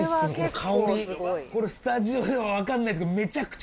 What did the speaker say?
これスタジオでは分かんないですけど。